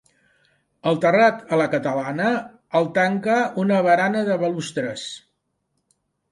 El terrat, a la catalana, el tanca una barana de balustres.